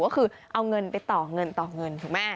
ก็คือเอาเงินไปต่อเงินต่อเงินถูกไหม